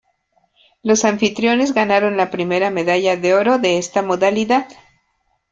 Los anfitriones ganaron la primera medalla de oro de esta modalidad.